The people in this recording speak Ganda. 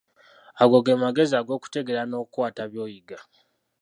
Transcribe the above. Ago ge magezi ag'okutegeera n'okukwata by'oyiga.